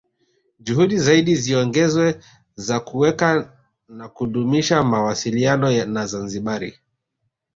Juhudi zaidi ziongezwe za kuweka na kudumisha mawasiliano na Zanzibari